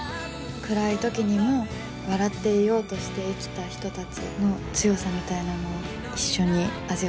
暗い時にも笑っていようとして生きた人たちの強さみたいなものを一緒に味わっていただけたらうれしいなと。